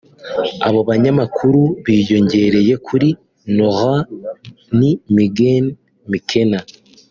Abo banyamakuru biyongereye kuri Nolan ni Megan McKenna